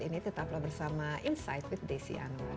ini tetaplah bersama insight with desi anwar